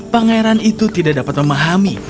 pangeran itu tidak dapat memahami